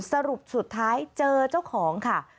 สรุปสุดท้ายเจอเจ้าของค่ะ